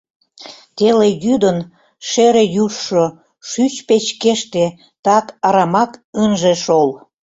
Теле йӱдын шере южшо шӱч печкеште так арамак ынже шол.